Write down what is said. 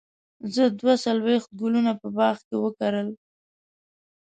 زه دوه څلوېښت ګلونه په باغ کې وکرل.